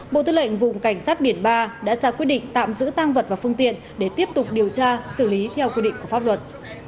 bộ tư lệnh vùng cảnh sát biển ba đã ra quyết định tạm giữ tăng vật và phương tiện để tiếp tục điều tra xử lý theo quy định của pháp luật